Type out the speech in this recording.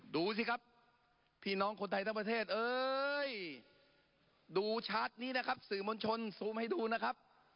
ดูสิครับพี่น้องคนไทยทั้งประเทศเอ้ยดูชาร์จนี้นะครับสื่อมวลชนซูมให้ดูนะครับ